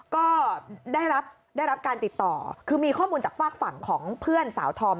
ก็ได้รับได้รับการติดต่อคือมีข้อมูลจากฝากฝั่งของเพื่อนสาวธอม